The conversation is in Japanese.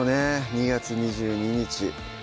２月２２日